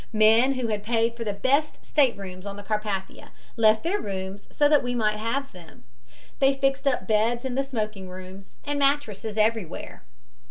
"Men who had paid for the best staterooms on the Carpathia left their rooms so that we might have them. They fixed up beds in the smoking rooms, and mattresses everywhere.